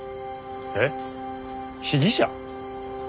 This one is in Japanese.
えっ被疑者？